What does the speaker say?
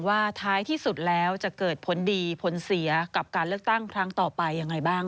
ว่าท้ายที่สุดแล้วจะเกิดผลดีผลเสียกับการเลือกตั้งครั้งต่อไปยังไงบ้าง